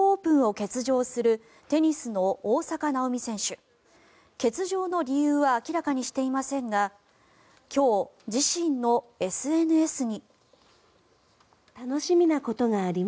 欠場の理由は明らかにしていませんが今日、自身のＳＮＳに。